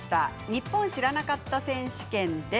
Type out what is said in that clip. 「ニッポン知らなかった選手権」です。